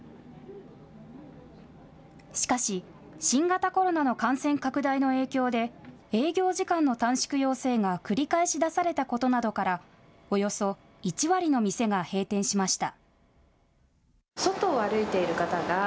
しかし、新型コロナの感染拡大の影響で営業時間の短縮要請が繰り返し出されたことなどからおよそ１割の店が閉店しました。